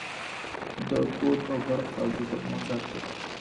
د کود او برق فابریکه په مزار کې ده